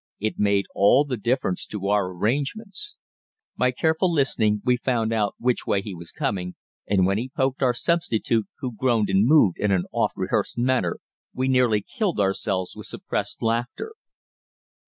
It made all the difference to our arrangements. By careful listening we found out which way he was coming, and when he poked our substitute, who groaned and moved in the oft rehearsed manner, we nearly killed ourselves with suppressed laughter.